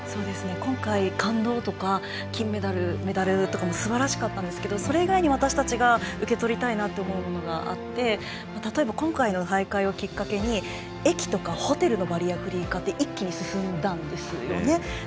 今回、感動とか金メダル、メダルとかもすばらしかったんですけどそれ以外に私たちが受け取りたいなと思うものがあって、例えば今回の大会をきっかけに駅とかホテルのバリアフリー化って一気に進んだんですよね。